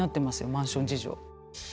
マンション事情。